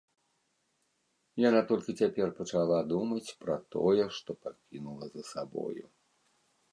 Яна толькі цяпер пачала думаць пра тое, што пакінула за сабою.